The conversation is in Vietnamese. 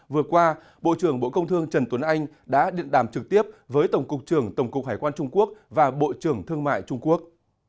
vừa qua bộ trưởng bộ công thương trần tuấn anh đã điện đàm trực tiếp với tổng cục trưởng tổng cục hải quan trung quốc và bộ trưởng thương mại trung quốc